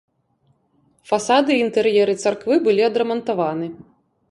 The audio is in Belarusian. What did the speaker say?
Фасады і інтэр'еры царквы былі адрамантаваны.